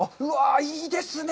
いいですね！